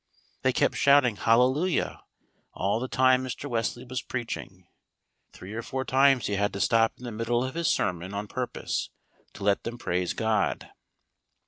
They kept shouting "Hallelujah!" all the time Mr. Wesley was preaching. Three or four times he had to stop in the middle of his sermon on purpose to let them praise God.